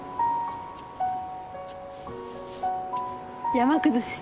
山崩し。